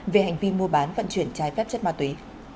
về hành vi mua bán vận chuyển trái phép chất ma túy